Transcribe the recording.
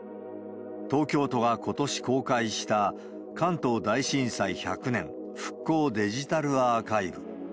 東京都がことし公開した、関東大震災１００年復興デジタルアーカイブ。